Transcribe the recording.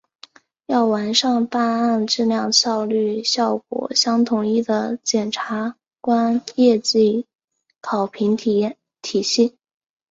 要完善办案质量、效率、效果相统一的检察官业绩考评体系